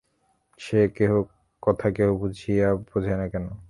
সে কথা কেহ বুঝিয়াও বোঝে না কেন!